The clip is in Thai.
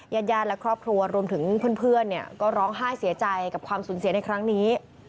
ญาติญาติและครอบครัวรวมถึงเพื่อนก็ร้องไห้เสียใจกับความสูญเสียในครั้งนี้